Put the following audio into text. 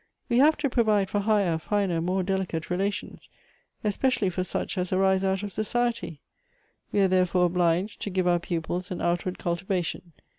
Wo have to provide for higher, finer, more delicate relations ; especially for such as arise out of society. We are, therefore, obliged to give our pupils an outward cultivation.